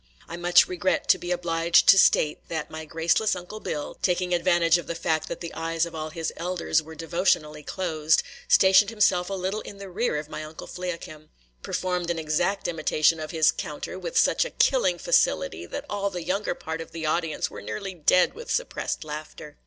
I much regret to be obliged to state that my graceless Uncle Bill, taking advantage of the fact that the eyes of all his elders were devotionally closed, stationing himself a little in the rear of my Uncle Fliakim, performed an exact imitation of his counter, with such a killing facility that all the younger part of the audience were nearly dead with suppressed laughter.